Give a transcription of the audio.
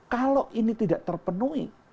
kalau ini tidak terpenuhi